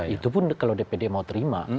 itu pun kalau dpd mau terima